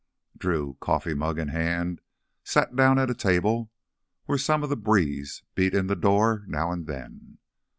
Drew, coffee mug in hand, sat down at a table where some of the breeze beat in the door now and then.